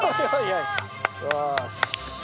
よし。